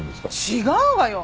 違うわよ！